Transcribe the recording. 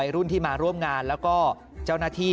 รุ่นที่มาร่วมงานแล้วก็เจ้าหน้าที่